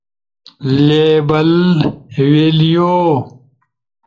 لیبل، ویلیو